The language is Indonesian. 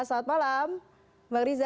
selamat malam bang ariza